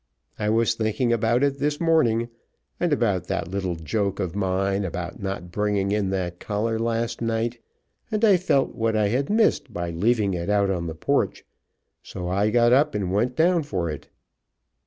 I was thinking about it this morning, and about that little joke of mine about not bringing in that collar last night, and I felt what I had missed by leaving it out on the porch, so I got up and went down for it.